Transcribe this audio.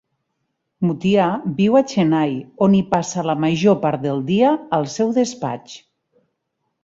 Muthiah viu a Chennai, on hi passa la major part del dia al seu despatx.